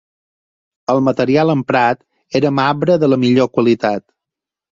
El material emprat era marbre de la millor qualitat.